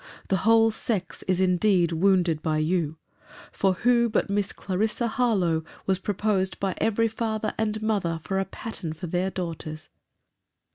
The whole sex is indeed wounded by you: For, who but Miss Clarissa Harlowe was proposed by every father and mother for a pattern for their daughters?